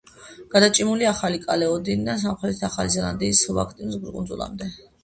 გადაჭიმულია ახალი კალედონიიდან სამხრეთით, ახალი ზელანდიის სუბანტარქტიკული კუნძულებამდე.